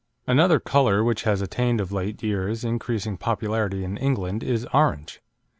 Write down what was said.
Another colour which has attained of late years increasing popularity in England is orange.